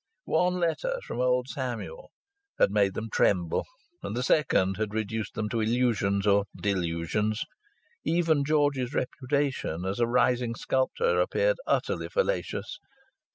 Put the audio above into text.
One letter from old Samuel had made them tremble, and the second had reduced them to illusions, or delusions. Even George's reputation as a rising sculptor appeared utterly fallacious.